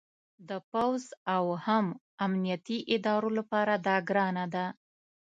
د پوځ او هم امنیتي ادارو لپاره دا ګرانه ده